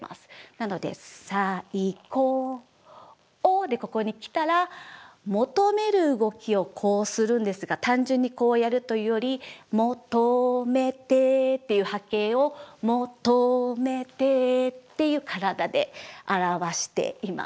なので「最高を」でここに来たら求める動きをこうするんですが単純にこうやるというより「求めて」っていう波形を「求めて」っていう体で表しています。